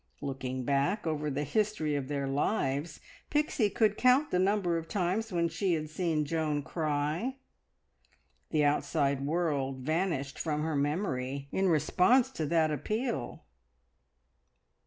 Looking back over the history of their lives, Pixie could count the number of times when she had seen Joan cry. The outside world vanished from her memory in response to that appeal.